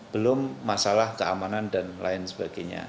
belum masalah keamanan dan lain sebagainya